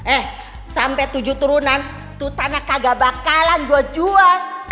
eh sampe tujuh turunan tuh tanah kagak bakalan gua jual